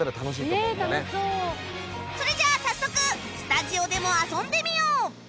それじゃあ早速スタジオでも遊んでみよう！